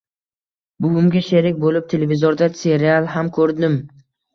Buvimga sherik bo‘lib, televizorda serial ham ko‘rdim